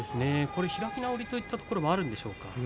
開き直りといったところもあるんでしょうか。